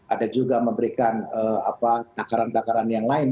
ada juga memberikan dakaran dakaran yang lain